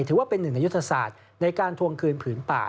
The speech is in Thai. ถือว่าเป็นหนึ่งในยุทธศาสตร์ในการทวงคืนผืนป่า